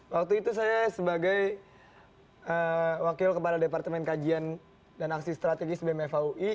waktu itu saya sebagai wakil kepala departemen kajian dan aksi strategis bmfa ui